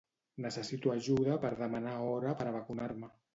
Necessito ajuda per demanar hora per a vacunar-me.